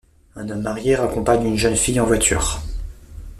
Un homme marié raccompagne une jeune fille en voiture.